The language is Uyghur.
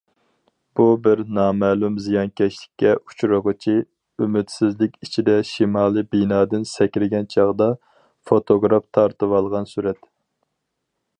بۇ بىر نامەلۇم زىيانكەشلىككە ئۇچرىغۇچى ئۈمىدسىزلىك ئىچىدە شىمالىي بىنادىن سەكرىگەن چاغدا فوتوگراف تارتىۋالغان سۈرەت.